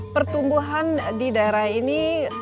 pertumbuhan di daerah ini lima delapan